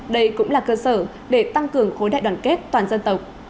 đây cũng là cơ sở để tăng cường khối đại đoàn kết toàn dân tộc